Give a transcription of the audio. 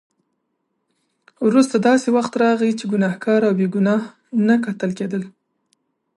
وروسته داسې وخت راغی چې ګناهګار او بې ګناه نه کتل کېدل.